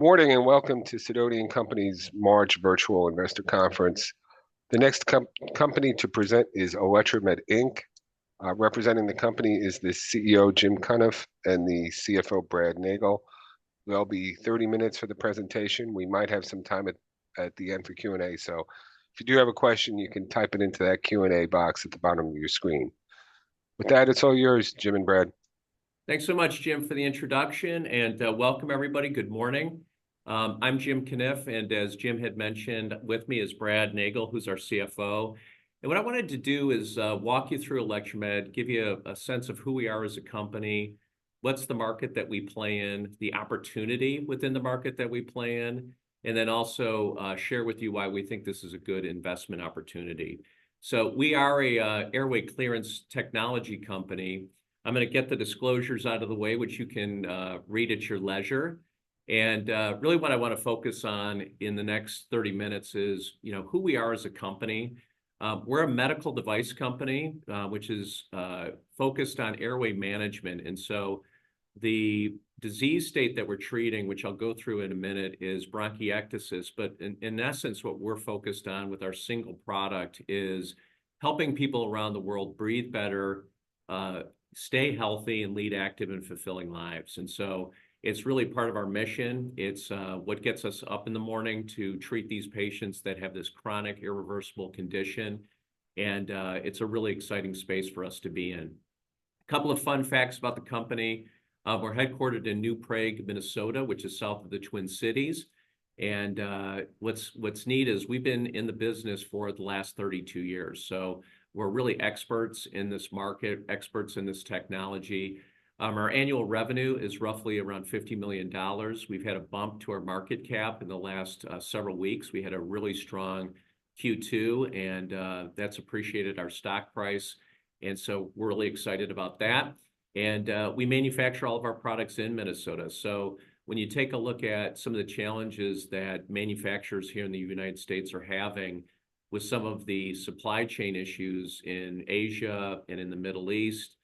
Good morning, and welcome to Sidoti & Company's March Virtual Investor Conference. The next company to present is Electromed, Inc. Representing the company is the CEO, Jim Cunniff, and the CFO, Brad Nagel. There'll be 30 minutes for the presentation. We might have some time at the end for Q&A, so if you do have a question, you can type it into that Q&A box at the bottom of your screen. With that, it's all yours, Jim and Brad. Thanks so much, Jim, for the introduction, and welcome, everybody. Good morning. I'm Jim Cunniff, and as Jim had mentioned, with me is Brad Nagel, who's our CFO. What I wanted to do is walk you through Electromed, give you a sense of who we are as a company, what's the market that we play in, the opportunity within the market that we play in, and then also share with you why we think this is a good investment opportunity. We are a airway clearance technology company. I'm gonna get the disclosures out of the way, which you can read at your leisure. Really what I wanna focus on in the next 30 minutes is, you know, who we are as a company. We're a medical device company which is focused on airway management, and so the disease state that we're treating, which I'll go through in a minute, is bronchiectasis. But in essence, what we're focused on with our single product is helping people around the world breathe better, stay healthy, and lead active and fulfilling lives. And so it's really part of our mission. It's what gets us up in the morning to treat these patients that have this chronic, irreversible condition, and it's a really exciting space for us to be in. Couple of fun facts about the company. We're headquartered in New Prague, Minnesota, which is south of the Twin Cities. And what's neat is we've been in the business for the last 32 years, so we're really experts in this market, experts in this technology. Our annual revenue is roughly around $50 million. We've had a bump to our market cap in the last several weeks. We had a really strong Q2, and that's appreciated our stock price, and so we're really excited about that. We manufacture all of our products in Minnesota. So when you take a look at some of the challenges that manufacturers here in the United States are having with some of the supply chain issues in Asia and in the Middle East,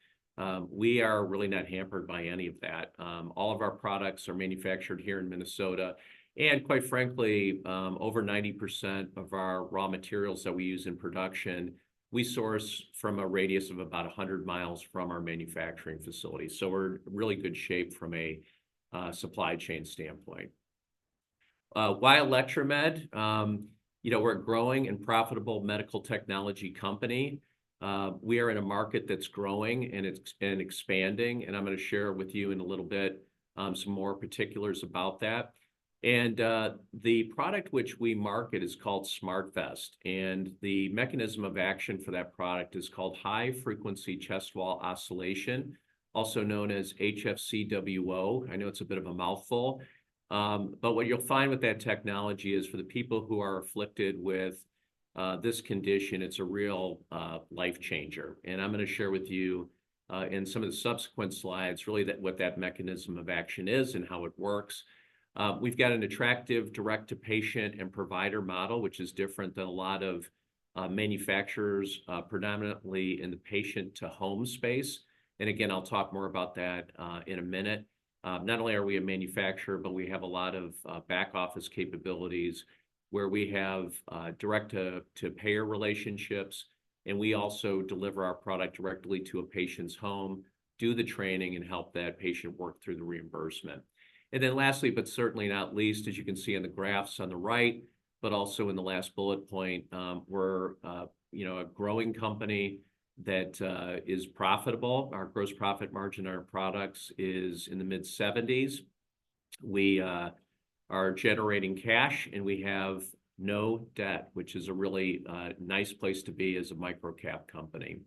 we are really not hampered by any of that. All of our products are manufactured here in Minnesota, and quite frankly, over 90% of our raw materials that we use in production, we source from a radius of about 100 miles from our manufacturing facility. So we're in really good shape from a supply chain standpoint. Why Electromed? You know, we're a growing and profitable medical technology company. We are in a market that's growing, and expanding, and I'm gonna share with you in a little bit some more particulars about that. The product which we market is called SmartVest, and the mechanism of action for that product is called High-Frequency Chest Wall Oscillation, also known as HFCWO. I know it's a bit of a mouthful, but what you'll find with that technology is, for the people who are afflicted with this condition, it's a real life changer. I'm gonna share with you in some of the subsequent slides really that what that mechanism of action is and how it works. We've got an attractive direct-to-patient and provider model, which is different than a lot of manufacturers predominantly in the patient-to-home space. And again, I'll talk more about that in a minute. Not only are we a manufacturer, but we have a lot of back office capabilities, where we have direct to payer relationships, and we also deliver our product directly to a patient's home, do the training, and help that patient work through the reimbursement. Then lastly, but certainly not least, as you can see in the graphs on the right, but also in the last bullet point, we're, you know, a growing company that is profitable. Our gross profit margin on our products is in the mid-70s%. We are generating cash, and we have no debt, which is a really nice place to be as a micro-cap company.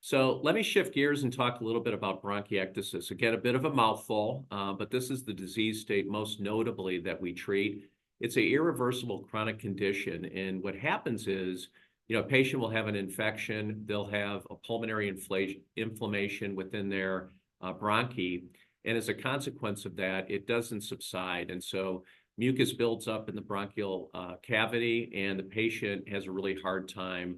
So let me shift gears and talk a little bit about bronchiectasis. Again, a bit of a mouthful, but this is the disease state most notably that we treat. It's an irreversible chronic condition, and what happens is, you know, a patient will have an infection. They'll have a pulmonary inflammation within their bronchi, and as a consequence of that, it doesn't subside, and so mucus builds up in the bronchial cavity, and the patient has a really hard time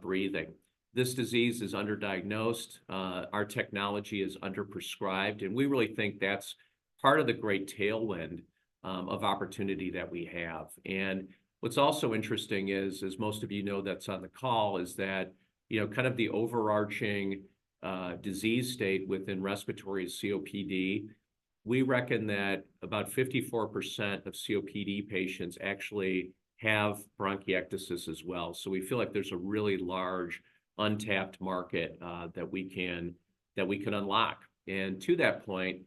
breathing. This disease is underdiagnosed, our technology is underprescribed, and we really think that's part of the great tailwind of opportunity that we have. And what's also interesting is, as most of you know that's on the call, is that, you know, kind of the overarching disease state within respiratory is COPD. We reckon that about 54% of COPD patients actually have bronchiectasis as well, so we feel like there's a really large, untapped market that we could unlock. And to that point,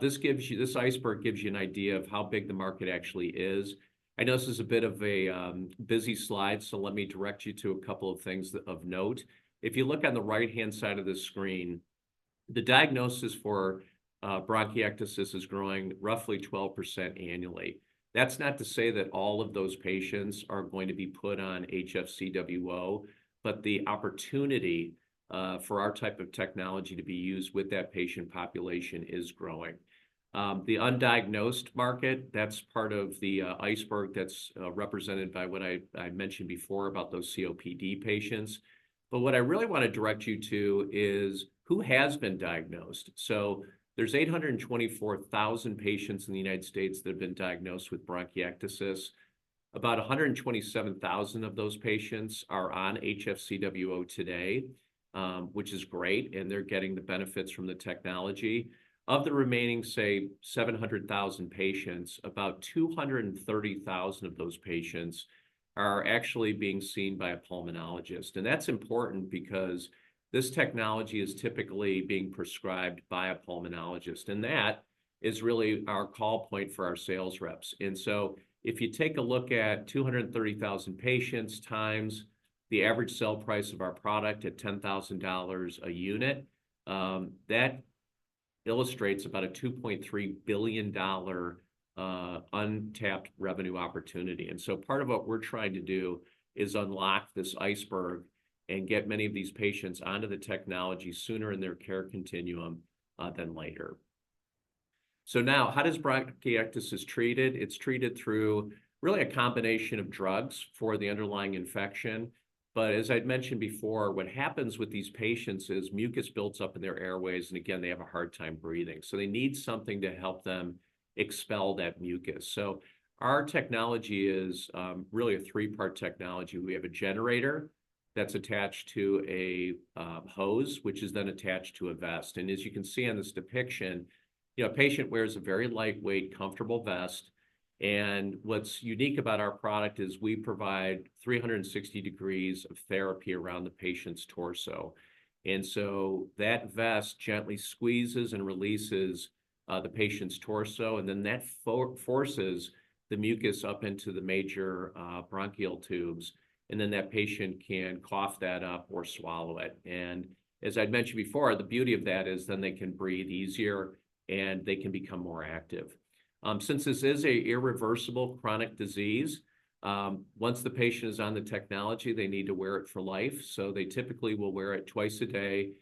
this iceberg gives you an idea of how big the market actually is. I know this is a bit of a busy slide, so let me direct you to a couple of things of note. If you look on the right-hand side of the screen, the diagnosis for bronchiectasis is growing roughly 12% annually. That's not to say that all of those patients are going to be put on HFCWO, but the opportunity for our type of technology to be used with that patient population is growing. The undiagnosed market, that's part of the iceberg that's represented by what I mentioned before about those COPD patients. But what I really want to direct you to is who has been diagnosed. So there's 824,000 patients in the United States that have been diagnosed with bronchiectasis. About 127,000 of those patients are on HFCWO today, which is great, and they're getting the benefits from the technology. Of the remaining, say, 700,000 patients, about 230,000 of those patients are actually being seen by a pulmonologist, and that's important because this technology is typically being prescribed by a pulmonologist, and that is really our call point for our sales reps. If you take a look at 230,000 patients times the average sale price of our product at $10,000 a unit, that illustrates about a $2.3 billion untapped revenue opportunity. Part of what we're trying to do is unlock this iceberg and get many of these patients onto the technology sooner in their care continuum than later. Now, how does bronchiectasis treated? It's treated through really a combination of drugs for the underlying infection. But as I'd mentioned before, what happens with these patients is mucus builds up in their airways, and again, they have a hard time breathing, so they need something to help them expel that mucus. Our technology is really a three-part technology. We have a generator that's attached to a hose, which is then attached to a vest. As you can see on this depiction, a patient wears a very lightweight, comfortable vest. What's unique about our product is we provide 360 degrees of therapy around the patient's torso. So that vest gently squeezes and releases the patient's torso, and then that forces the mucus up into the major bronchial tubes, and then that patient can cough that up or swallow it. As I'd mentioned before, the beauty of that is then they can breathe easier, and they can become more active. Since this is an irreversible chronic disease, once the patient is on the technology, they need to wear it for life, so they typically will wear it twice a day.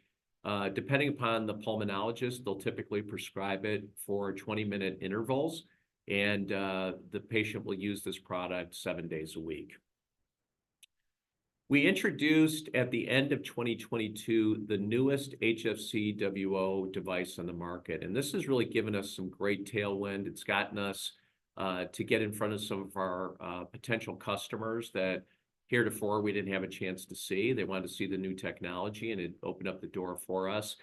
Depending upon the pulmonologist, they'll typically prescribe it for 20-minute intervals, and the patient will use this product 7 days a week. We introduced, at the end of 2022, the newest HFCWO device on the market, and this has really given us some great tailwind. It's gotten us to get in front of some of our potential customers that heretofore we didn't have a chance to see. They wanted to see the new technology, and it opened up the door for us,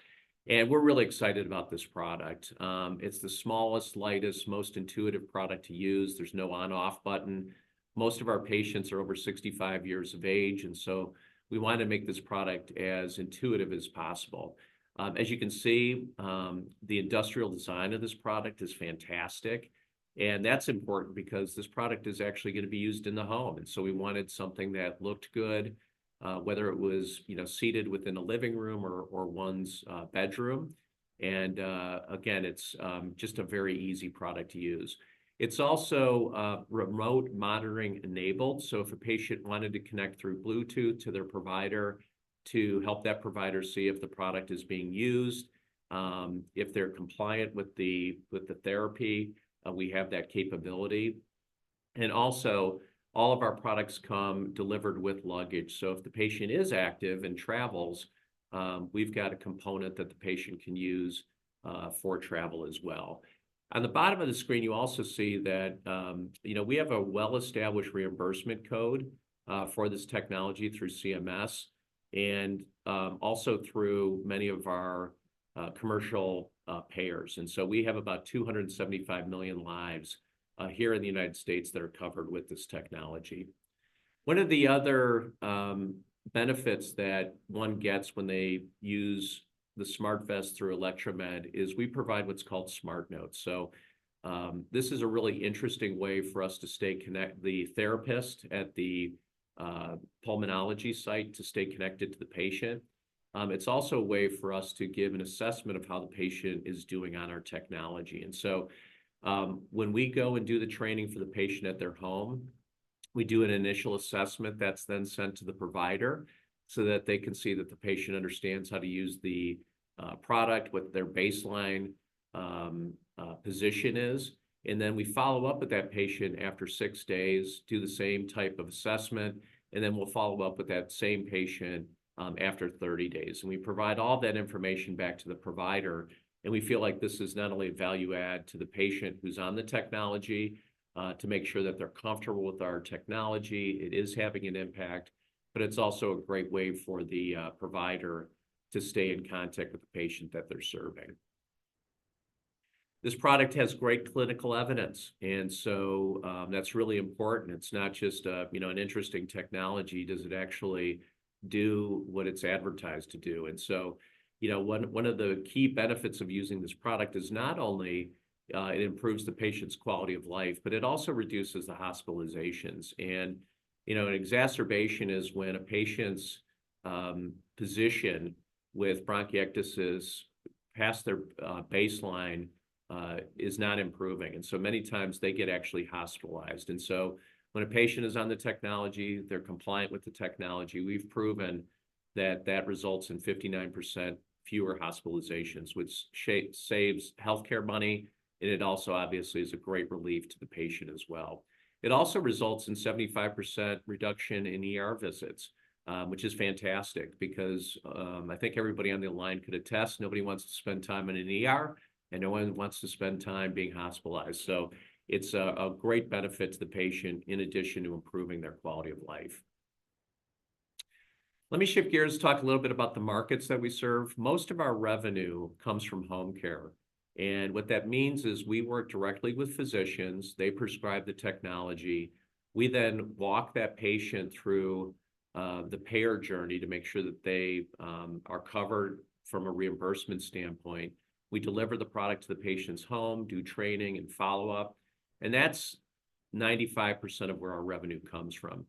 and we're really excited about this product. It's the smallest, lightest, most intuitive product to use. There's no on/off button. Most of our patients are over 65 years of age, and so we wanted to make this product as intuitive as possible. As you can see, the industrial design of this product is fantastic, and that's important because this product is actually gonna be used in the home, and so we wanted something that looked good, whether it was, you know, seated within a living room or one's bedroom. And again, it's just a very easy product to use. It's also remote monitoring enabled. So if a patient wanted to connect through Bluetooth to their provider to help that provider see if the product is being used, if they're compliant with the therapy, we have that capability. And also, all of our products come delivered with luggage. So if the patient is active and travels, we've got a component that the patient can use for travel as well. On the bottom of the screen, you also see that, you know, we have a well-established reimbursement code, for this technology through CMS and, also through many of our, commercial, payers. So we have about 275 million lives, here in the United States that are covered with this technology. One of the other, benefits that one gets when they use the SmartVest through Electromed is we provide what's called SmartNotes. So, this is a really interesting way for us to stay connected to the therapist at the, pulmonology site, to stay connected to the patient. It's also a way for us to give an assessment of how the patient is doing on our technology. And so, when we go and do the training for the patient at their home, we do an initial assessment that's then sent to the provider so that they can see that the patient understands how to use the product, what their baseline position is. And then we follow up with that patient after 6 days, do the same type of assessment, and then we'll follow up with that same patient after 30 days. And we provide all that information back to the provider, and we feel like this is not only a value add to the patient who's on the technology to make sure that they're comfortable with our technology, it is having an impact, but it's also a great way for the provider to stay in contact with the patient that they're serving. This product has great clinical evidence, and so that's really important. It's not just a, you know, an interesting technology. Does it actually do what it's advertised to do? And so, you know, one of the key benefits of using this product is not only it improves the patient's quality of life, but it also reduces the hospitalizations. And, you know, an exacerbation is when a patient's condition with bronchiectasis past their baseline is not improving, and so many times they get actually hospitalized. And so when a patient is on the technology, they're compliant with the technology, we've proven that that results in 59% fewer hospitalizations, which saves healthcare money, and it also obviously is a great relief to the patient as well. It also results in 75% reduction in ER visits, which is fantastic because, I think everybody on the line could attest, nobody wants to spend time in an ER, and no one wants to spend time being hospitalized. So it's a great benefit to the patient in addition to improving their quality of life. Let me shift gears, talk a little bit about the markets that we serve. Most of our revenue comes from home care, and what that means is we work directly with physicians. They prescribe the technology. We then walk that patient through the payer journey to make sure that they are covered from a reimbursement standpoint. We deliver the product to the patient's home, do training and follow-up, and that's 95% of where our revenue comes from.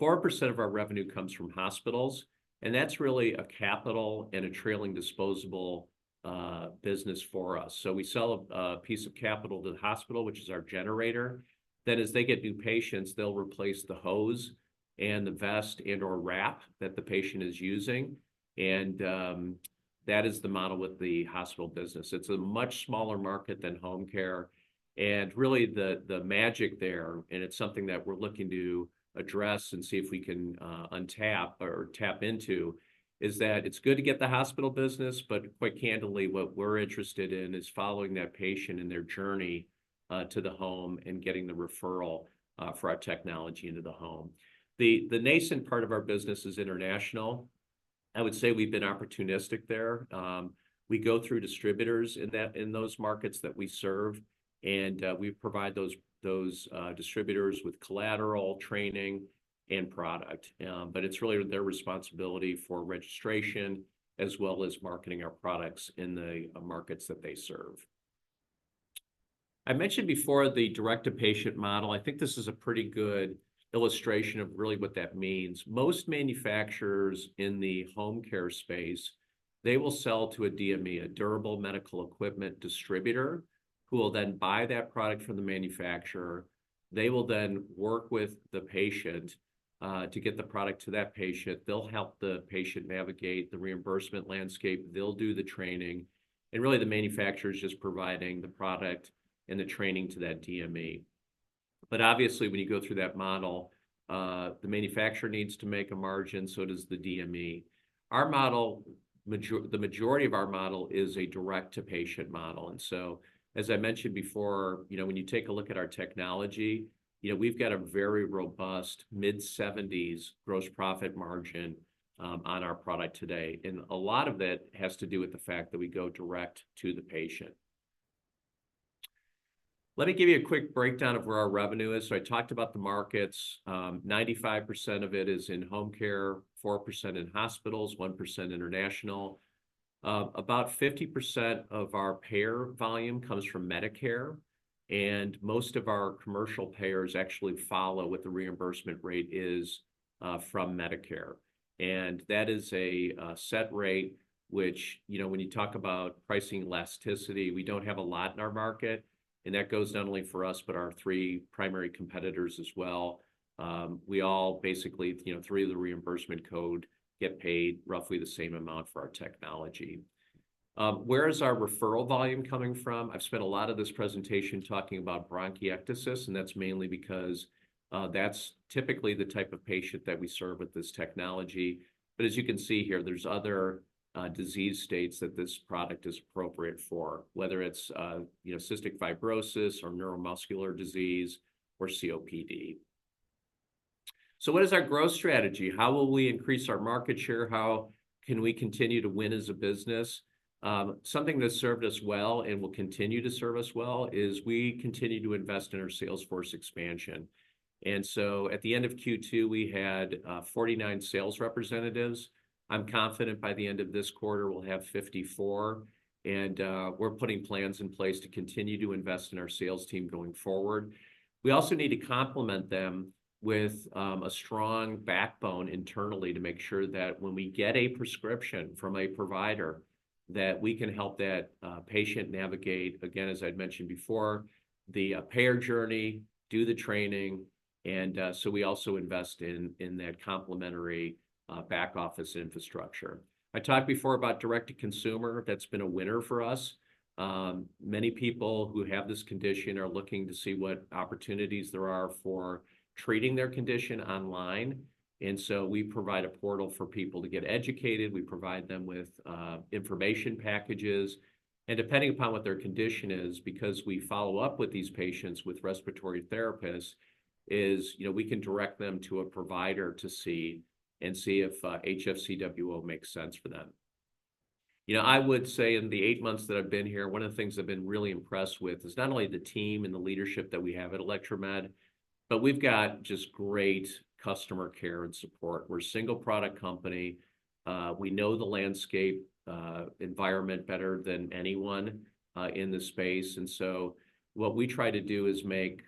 4% of our revenue comes from hospitals, and that's really a capital and a trailing disposable business for us. So we sell a piece of capital to the hospital, which is our generator. Then as they get new patients, they'll replace the hose and the vest and/or wrap that the patient is using, and that is the model with the hospital business. It's a much smaller market than home care, and really, the magic there, and it's something that we're looking to address and see if we can untap or tap into, is that it's good to get the hospital business, but quite candidly, what we're interested in is following that patient and their journey to the home and getting the referral for our technology into the home. The nascent part of our business is international. I would say we've been opportunistic there. We go through distributors in those markets that we serve, and we provide those distributors with collateral, training, and product. But it's really their responsibility for registration, as well as marketing our products in the markets that they serve. I mentioned before the direct-to-patient model. I think this is a pretty good illustration of really what that means. Most manufacturers in the home care space, they will sell to a DME, a durable medical equipment distributor, who will then buy that product from the manufacturer. They will then work with the patient to get the product to that patient. They'll help the patient navigate the reimbursement landscape. They'll do the training, and really, the manufacturer is just providing the product and the training to that DME. But obviously, when you go through that model, the manufacturer needs to make a margin, so does the DME. Our model, the majority of our model is a direct-to-patient model, and so, as I mentioned before, you know, when you take a look at our technology, you know, we've got a very robust mid-70s% gross profit margin on our product today, and a lot of that has to do with the fact that we go direct to the patient. Let me give you a quick breakdown of where our revenue is. So I talked about the markets. 95% of it is in home care, 4% in hospitals, 1% international. About 50% of our payer volume comes from Medicare, and most of our commercial payers actually follow what the reimbursement rate is from Medicare. That is a set rate, which, you know, when you talk about pricing elasticity, we don't have a lot in our market, and that goes not only for us, but our three primary competitors as well. We all basically, you know, through the reimbursement code, get paid roughly the same amount for our technology. Where is our referral volume coming from? I've spent a lot of this presentation talking about bronchiectasis, and that's mainly because that's typically the type of patient that we serve with this technology. But as you can see here, there's other disease states that this product is appropriate for, whether it's, you know, cystic fibrosis or neuromuscular disease, or COPD. So what is our growth strategy? How will we increase our market share? How can we continue to win as a business? Something that's served us well and will continue to serve us well is we continue to invest in our sales force expansion. And so at the end of Q2, we had 49 sales representatives. I'm confident by the end of this quarter, we'll have 54, and we're putting plans in place to continue to invest in our sales team going forward. We also need to complement them with a strong backbone internally to make sure that when we get a prescription from a provider, that we can help that patient navigate, again, as I'd mentioned before, the payer journey, do the training, and so we also invest in that complementary back office infrastructure. I talked before about direct-to-consumer. That's been a winner for us. Many people who have this condition are looking to see what opportunities there are for treating their condition online, and so we provide a portal for people to get educated. We provide them with information packages, and depending upon what their condition is, because we follow up with these patients with respiratory therapists, you know, we can direct them to a provider to see and see if HFCWO makes sense for them. You know, I would say in the eight months that I've been here, one of the things I've been really impressed with is not only the team and the leadership that we have at Electromed, but we've got just great customer care and support. We're a single-product company. We know the landscape, environment better than anyone in this space, and so what we try to do is make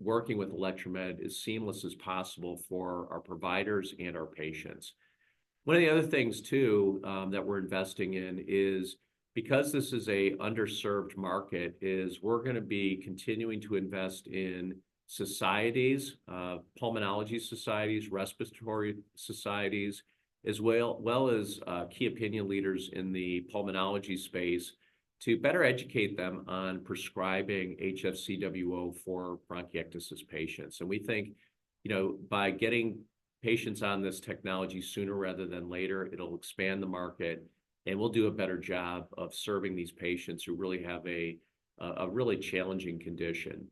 working with Electromed as seamless as possible for our providers and our patients. One of the other things, too, that we're investing in is, because this is a underserved market, is we're gonna be continuing to invest in societies, pulmonology societies, respiratory societies, as well as, key opinion leaders in the pulmonology space, to better educate them on prescribing HFCWO for bronchiectasis patients. And we think, you know, by getting patients on this technology sooner rather than later, it'll expand the market, and we'll do a better job of serving these patients who really have a really challenging condition...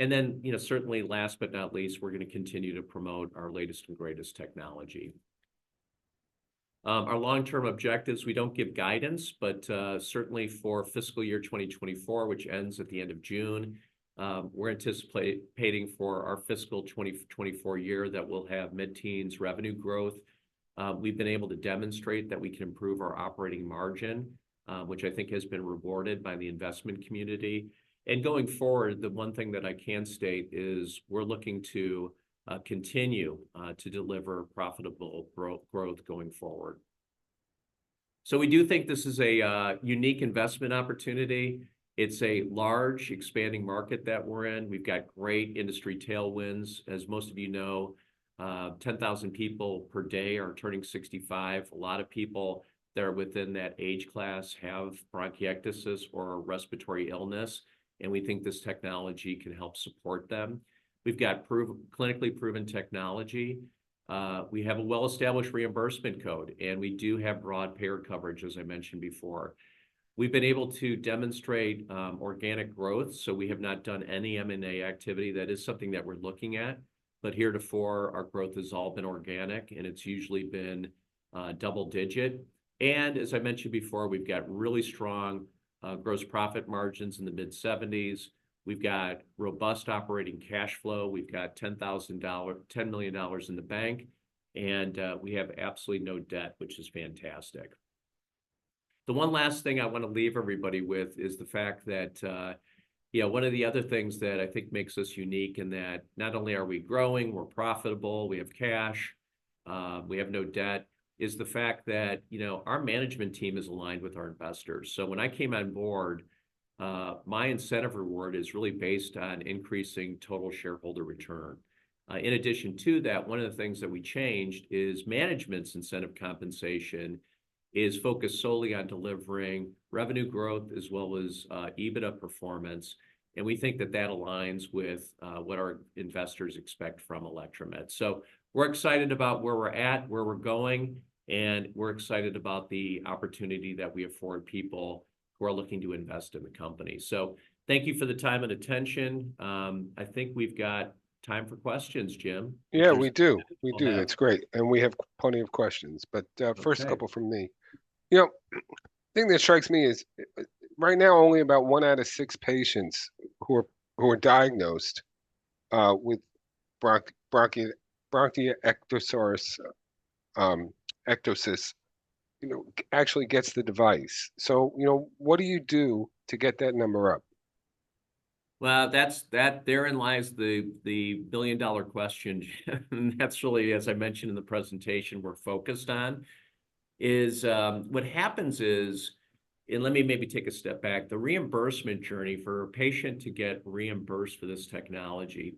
and then, you know, certainly last but not least, we're gonna continue to promote our latest and greatest technology. Our long-term objectives, we don't give guidance, but certainly for fiscal year 2024, which ends at the end of June, we're anticipating for our fiscal 2024 year that we'll have mid-teens revenue growth. We've been able to demonstrate that we can improve our operating margin, which I think has been rewarded by the investment community. And going forward, the one thing that I can state is we're looking to continue to deliver profitable growth going forward. So we do think this is a unique investment opportunity. It's a large, expanding market that we're in. We've got great industry tailwinds. As most of you know, 10,000 people per day are turning 65. A lot of people that are within that age class have bronchiectasis or a respiratory illness, and we think this technology can help support them. We've got prove... Clinically proven technology. We have a well-established reimbursement code, and we do have broad payer coverage, as I mentioned before. We've been able to demonstrate organic growth, so we have not done any M&A activity. That is something that we're looking at, but heretofore, our growth has all been organic, and it's usually been double digit. As I mentioned before, we've got really strong gross profit margins in the mid-70s. We've got robust operating cash flow. We've got $10,000-$10 million in the bank, and we have absolutely no debt, which is fantastic. The one last thing I want to leave everybody with is the fact that, yeah, one of the other things that I think makes us unique in that not only are we growing, we're profitable, we have cash, we have no debt, is the fact that, you know, our management team is aligned with our investors. So when I came on board, my incentive reward is really based on increasing total shareholder return. In addition to that, one of the things that we changed is management's incentive compensation is focused solely on delivering revenue growth as well as EBITDA performance, and we think that that aligns with what our investors expect from Electromed. So we're excited about where we're at, where we're going, and we're excited about the opportunity that we afford people who are looking to invest in the company. Thank you for the time and attention. I think we've got time for questions, Jim. Yeah, we do. We do. We do. That's great, and we have plenty of questions. Okay. But, first couple from me. You know, the thing that strikes me is, right now, only about one out of six patients who are diagnosed with bronchiectasis, you know, actually gets the device. So, you know, what do you do to get that number up? Well, that's—therein lies the billion-dollar question, Jim. That's really, as I mentioned in the presentation, we're focused on. What happens is, and let me maybe take a step back, the reimbursement journey for a patient to get reimbursed for this technology,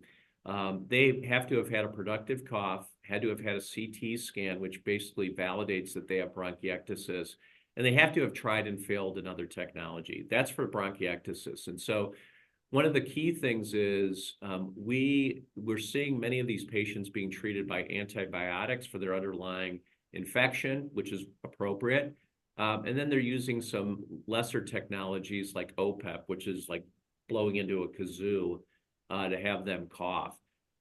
they have to have had a productive cough, had to have had a CT scan, which basically validates that they have bronchiectasis, and they have to have tried and failed another technology. That's for bronchiectasis. And so one of the key things is, we're seeing many of these patients being treated by antibiotics for their underlying infection, which is appropriate, and then they're using some lesser technologies like OPEP, which is like blowing into a kazoo, to have them cough.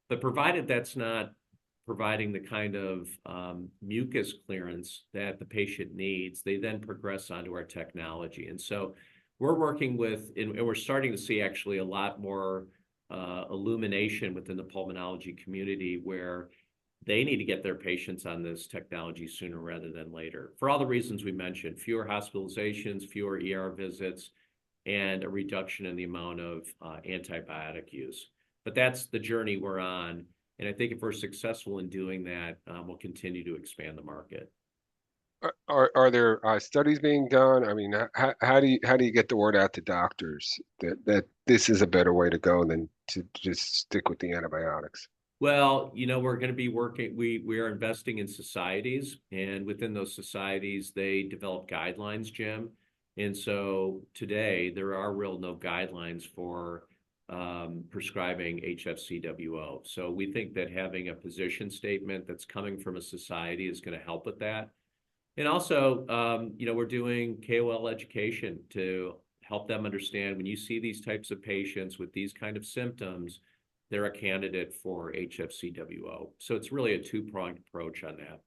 But provided that's not providing the kind of mucus clearance that the patient needs, they then progress onto our technology. And so we're working with, and we're starting to see actually a lot more illumination within the pulmonology community, where they need to get their patients on this technology sooner rather than later. For all the reasons we mentioned, fewer hospitalizations, fewer ER visits, and a reduction in the amount of antibiotic use. But that's the journey we're on, and I think if we're successful in doing that, we'll continue to expand the market. Are there studies being done? I mean, how do you get the word out to doctors that this is a better way to go than to just stick with the antibiotics? Well, you know, we are investing in societies, and within those societies, they develop guidelines, Jim. And so today there are really no guidelines for prescribing HFCWO. So we think that having a position statement that's coming from a society is gonna help with that. And also, you know, we're doing KOL education to help them understand when you see these types of patients with these kind of symptoms, they're a candidate for HFCWO. So it's really a two-pronged approach on that.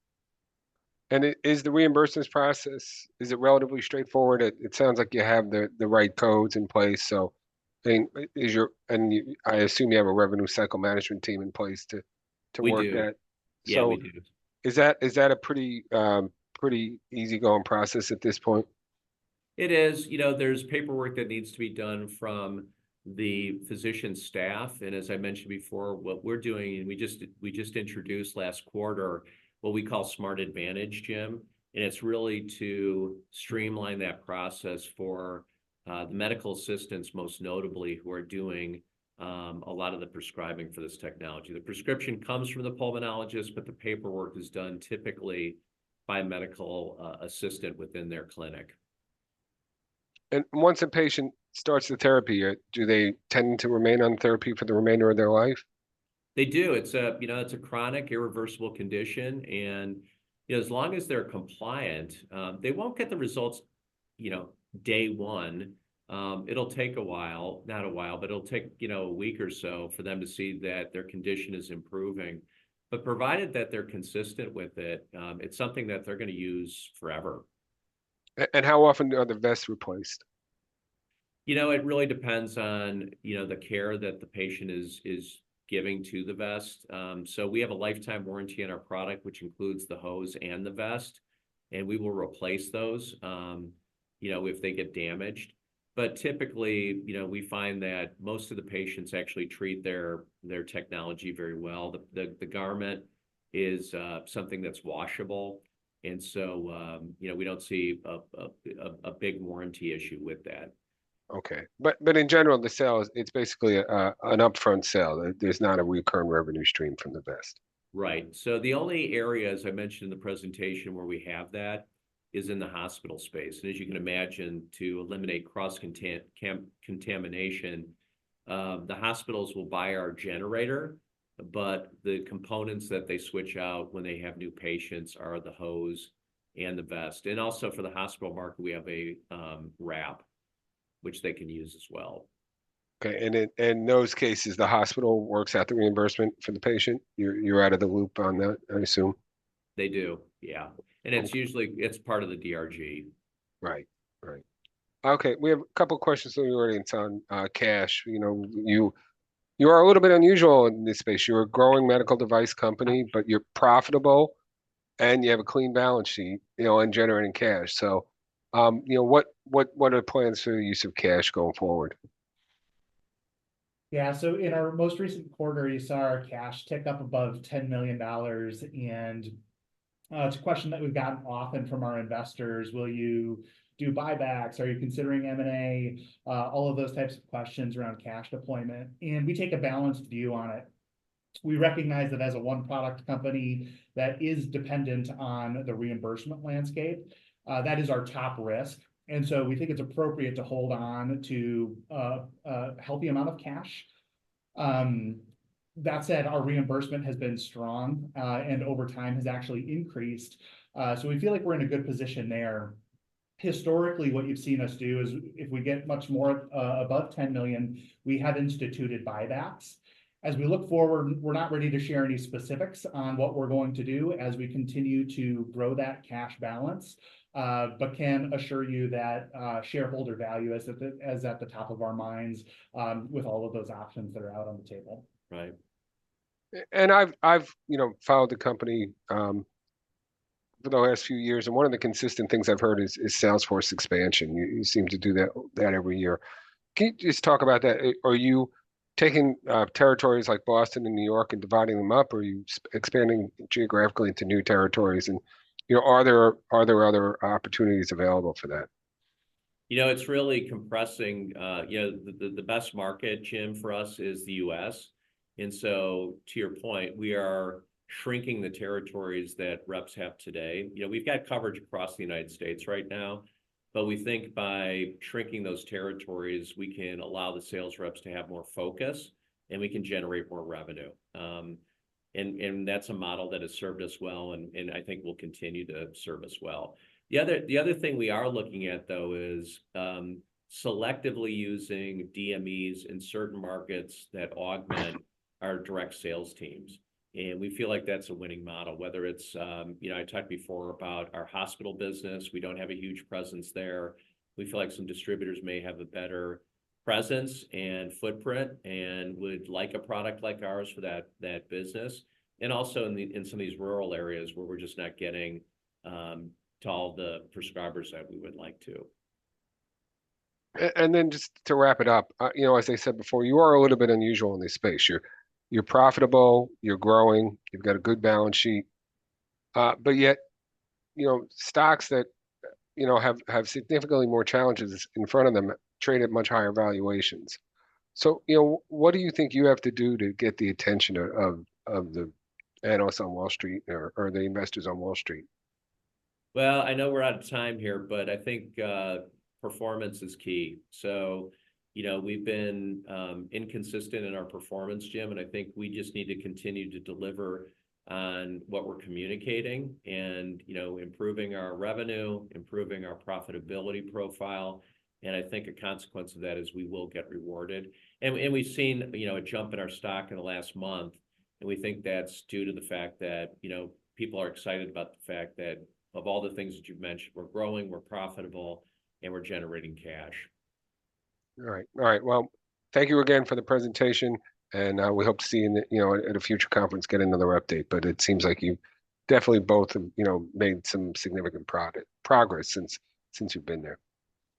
Is the reimbursement process relatively straightforward? It sounds like you have the right codes in place, so, and I assume you have a revenue cycle management team in place to- We do... to work that. Yeah, we do. Is that, is that a pretty, pretty easygoing process at this point? It is. You know, there's paperwork that needs to be done from the physician's staff, and as I mentioned before, what we're doing, and we just introduced last quarter what we call Smart Advantage, Jim, and it's really to streamline that process for the medical assistants, most notably, who are doing a lot of the prescribing for this technology. The prescription comes from the pulmonologist, but the paperwork is done typically by a medical assistant within their clinic. Once a patient starts the therapy, do they tend to remain on therapy for the remainder of their life?... They do. It's a, you know, it's a chronic, irreversible condition, and, you know, as long as they're compliant, they won't get the results, you know, day one. It'll take a while, not a while, but it'll take, you know, a week or so for them to see that their condition is improving. But provided that they're consistent with it, it's something that they're gonna use forever. And how often are the vests replaced? You know, it really depends on, you know, the care that the patient is giving to the vest. So we have a lifetime warranty on our product, which includes the hose and the vest, and we will replace those, you know, if they get damaged. But typically, you know, we find that most of the patients actually treat their technology very well. The garment is something that's washable, and so, you know, we don't see a big warranty issue with that. Okay. But in general, the sale, it's basically an upfront sale. There's not a recurring revenue stream from the vest? Right. So the only area, as I mentioned in the presentation, where we have that is in the hospital space. As you can imagine, to eliminate cross contamination, the hospitals will buy our generator, but the components that they switch out when they have new patients are the hose and the vest. Also, for the hospital market, we have a wrap, which they can use as well. Okay, and in those cases, the hospital works out the reimbursement for the patient? You're out of the loop on that, I assume. They do, yeah. Okay. It's usually, it's part of the DRG. Right. Right. Okay, we have a couple questions from the audience on cash. You know, you are a little bit unusual in this space. You're a growing medical device company, but you're profitable, and you have a clean balance sheet, you know, and generating cash. So, you know, what are the plans for the use of cash going forward? Yeah, so in our most recent quarter, you saw our cash tick up above $10 million, and it's a question that we've gotten often from our investors: "Will you do buybacks? Are you considering M&A?" All of those types of questions around cash deployment, and we take a balanced view on it. We recognize that as a one-product company that is dependent on the reimbursement landscape, that is our top risk, and so we think it's appropriate to hold on to a healthy amount of cash. That said, our reimbursement has been strong, and over time has actually increased. So we feel like we're in a good position there. Historically, what you've seen us do is, if we get much more above $10 million, we have instituted buybacks. As we look forward, we're not ready to share any specifics on what we're going to do as we continue to grow that cash balance, but can assure you that, shareholder value is at the top of our minds, with all of those options that are out on the table. Right. And I've, I've you know, followed the company for the last few years, and one of the consistent things I've heard is sales force expansion. You seem to do that every year. Can you just talk about that? Are you taking territories like Boston and New York and dividing them up, or are you expanding geographically to new territories? And, you know, are there other opportunities available for that? You know, it's really compressing, you know. The best market, Jim, for us is the U.S., and so to your point, we are shrinking the territories that reps have today. You know, we've got coverage across the United States right now, but we think by shrinking those territories, we can allow the sales reps to have more focus, and we can generate more revenue. And that's a model that has served us well, and I think will continue to serve us well. The other thing we are looking at, though, is selectively using DMEs in certain markets that augment our direct sales teams, and we feel like that's a winning model, whether it's. You know, I talked before about our hospital business. We don't have a huge presence there. We feel like some distributors may have a better presence and footprint and would like a product like ours for that, that business, and also in the, in some of these rural areas where we're just not getting to all the prescribers that we would like to. And then just to wrap it up, you know, as I said before, you are a little bit unusual in this space. You're profitable, you're growing, you've got a good balance sheet, but yet, you know, stocks that, you know, have significantly more challenges in front of them trade at much higher valuations. So, you know, what do you think you have to do to get the attention of the analysts on Wall Street, or the investors on Wall Street? Well, I know we're out of time here, but I think, performance is key. So, you know, we've been inconsistent in our performance, Jim, and I think we just need to continue to deliver on what we're communicating and, you know, improving our revenue, improving our profitability profile, and I think a consequence of that is we will get rewarded. And we've seen, you know, a jump in our stock in the last month, and we think that's due to the fact that, you know, people are excited about the fact that of all the things that you've mentioned, we're growing, we're profitable, and we're generating cash. All right. All right, well, thank you again for the presentation, and we hope to see you in, you know, at a future conference, get another update. But it seems like you've definitely both, you know, made some significant progress since you've been there.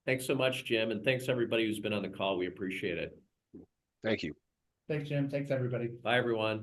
Thanks so much, Jim, and thanks to everybody who's been on the call. We appreciate it. Thank you. Thanks, Jim. Thanks, everybody. Bye, everyone.